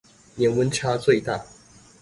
年溫差最大